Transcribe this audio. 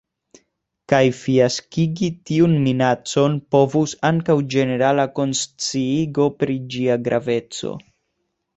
Kaj fiaskigi tiun minacon povus ankaŭ ĝenerala konsciiĝo pri ĝia graveco.